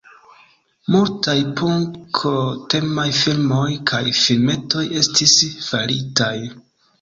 Multaj punk-temaj filmoj kaj filmetoj estis faritaj.